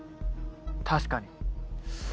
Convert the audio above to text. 確かに。